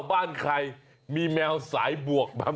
บ้านใครมีแมวสายบวกแบบ